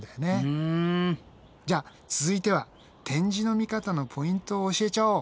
じゃあ続いては展示の見方のポイントを教えちゃおう！